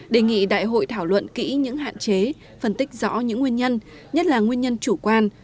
đề nghị đại hội thảo luận kỹ những hạn chế phân tích rõ những nguyên nhân nhất là nguyên nhân chủ quan